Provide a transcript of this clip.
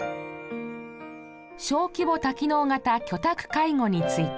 小規模多機能型居宅介護について。